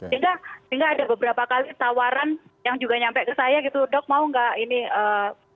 sehingga ada beberapa kali tawaran yang juga nyampe ke saya gitu dok mau gak ini gabung sama dok